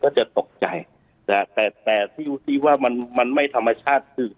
ก็จะตกใจแต่ที่อยู่ที่ว่ามันไม่ธรรมชาติ